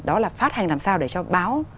đó là phát hành làm sao để cho báo